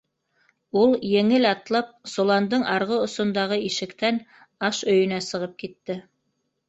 — Ул, еңел атлап, соландың арғы осондағы ишектән аш өйөнә сығып китте.